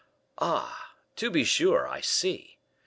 "Ah! to be sure, I see.